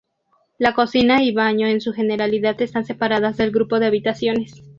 La cocina y baño en su generalidad están separados del grupo de habitaciones.